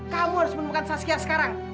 kamu harus menemukan saskiat sekarang